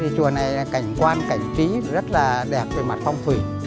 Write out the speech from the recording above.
chùa này cảnh quan cảnh trí rất đẹp từ mặt phong phủy